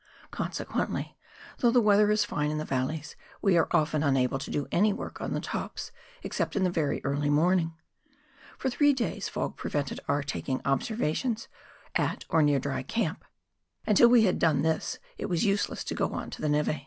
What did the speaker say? ; consequently, though the weather is fine in the valleys, we are often unable to do any work on the tops except in the very early morning. For three days fog prevented our taking observations at or near Dry Camp, and till we had done this it was useless to go on to the neve.